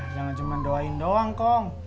jangan cuma doain doang kok